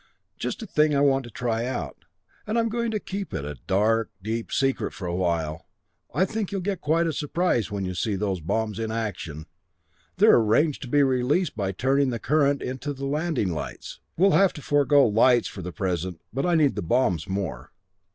"Just a thing I want to try out and I'm going to keep it a deep, dark secret for a while. I think you'll get quite a surprise when you see those bombs in action! They're arranged to be released by turning current into the landing lights. We'll have to forgo lights for the present, but I needed the bombs more.